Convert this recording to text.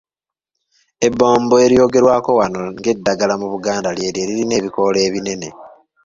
Ebbombo eryogerwako wano ng'eddagala mu Buganda ly'eryo eririna ebikoola ebinene